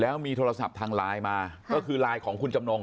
และมีโทรศัพท์มาก็คือมาด้วยลายของคุณจำนง